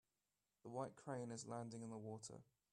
The white crane is landing in the water